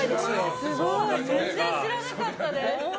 全然知らなかったです。